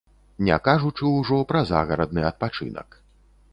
Не кажучы ўжо пра загарадны адпачынак.